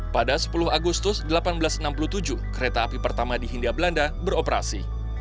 pada sepuluh agustus seribu delapan ratus enam puluh tujuh kereta api pertama di hindia belanda beroperasi